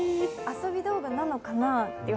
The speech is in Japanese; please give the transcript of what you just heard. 遊び道具なのかなという「？